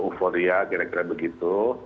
euforia kira kira begitu